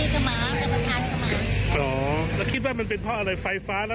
แค่สิ่งที่เราคิดว่ามันน่าจะเกิดจากอะไรนะ